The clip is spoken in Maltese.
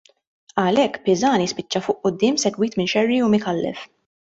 Għalhekk Pisani spiċċa fuq quddiem segwit minn Scerri u Micallef.